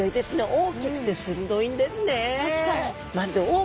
大きくて鋭いんですね。